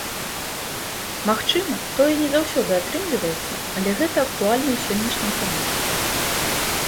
Магчыма, тое не заўсёды атрымліваецца, але гэта актуальна ў сённяшнім грамадстве.